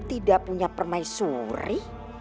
tidak punya permaisuri